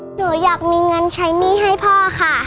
หนูอยากมีเงินใช้หนี้ให้พ่อค่ะ